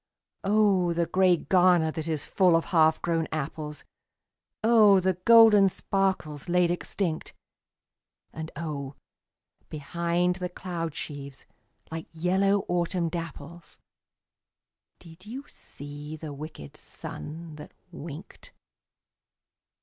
Oh, the grey garner that is full of half grown apples, Oh, the golden sparkles laid extinct ! And oh, behind the cloud sheaves, like yellow autumn dapples, Did you see the wicked sun that winked?